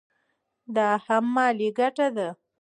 دا هم مالي ګټه ده.